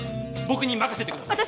僕に任せてください